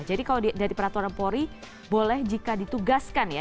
jadi kalau dari peraturan pori boleh jika ditugaskan ya